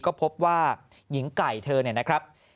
ก็พบว่าหญิงไก่เธอเนี่ยนะครับ